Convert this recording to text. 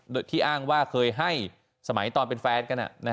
โดยที่อ้างว่าเคยให้สมัยตอนเป็นแฟนกัน